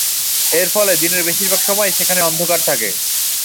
এরফলে দিনের বেশিরভাগ সময়ই সেখানে অন্ধকার থাকে।